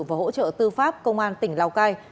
và hỗ trợ tư pháp công an tỉnh lào cai